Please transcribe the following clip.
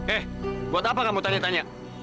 eh buat apa kamu tanya tanya